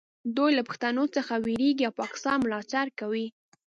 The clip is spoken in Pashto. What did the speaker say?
دوی له پښتنو څخه ویریږي او پاکستان ملاتړ کوي